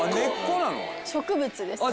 植物ですね。